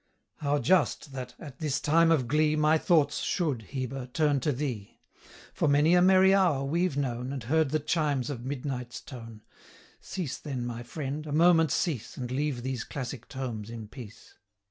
How just that, at this time of glee, My thoughts should, Heber, turn to thee! For many a merry hour we've known, 125 And heard the chimes of midnight's tone. Cease, then, my friend! a moment cease, And leave these classic tomes in peace!